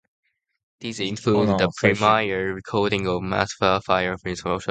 These included the premiere recording of Mahler's First Symphony.